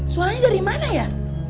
suaranya dari mana ya